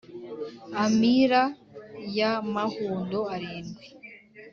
Amira ya mahundo arindwi